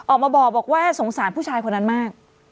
ออกมาบอกว่าสงสารผู้ชายคนนั้นมาก